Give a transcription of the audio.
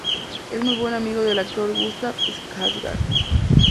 Es muy buen amigo del actor Gustaf Skarsgård.